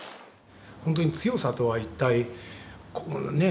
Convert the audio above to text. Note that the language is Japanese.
本当に強さとは一体ねぇ。